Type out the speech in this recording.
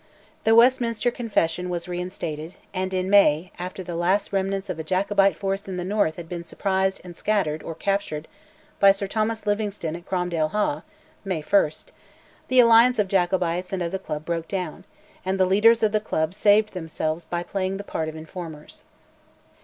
The Westminster Confession was reinstated, and in May, after the last remnants of a Jacobite force in the north had been surprised and scattered or captured by Sir Thomas Livingstone at Cromdale Haugh (May 1), the alliance of Jacobites and of the Club broke down, and the leaders of the Club saved themselves by playing the part of informers.